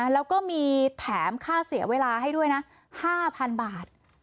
แล้วก็มีแถมค่าเสียเวลาให้ด้วยนะ๕๐๐๐บาท